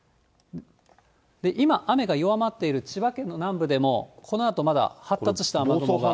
今、雨が弱まっている千葉県の南部でも、このあとまだ発達した雨雲が。